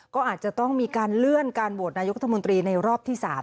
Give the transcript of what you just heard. ก็อาจจะต้องมีการเลื่อนการโหวตนายุทธมนตรีในรอบที่๓